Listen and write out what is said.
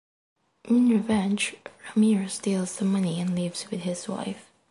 In revenge, Ramiro steals the money and leaves with his wife.